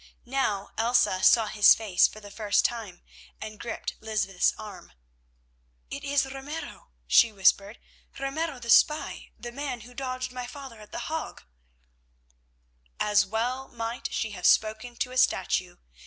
Now Elsa saw his face for the first time and gripped Lysbeth's arm. "It is Ramiro," she whispered, "Ramiro the spy, the man who dogged my father at The Hague." As well might she have spoken to a statue.